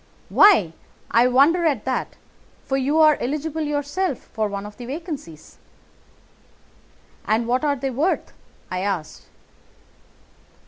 "'Why, I wonder at that, for you are eligible yourself for one of the vacancies.' "'And what are they worth?' I asked.